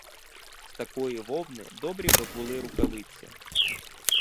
З такої вовни добрі б були рукавиці.